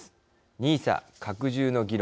ＮＩＳＡ拡充の議論。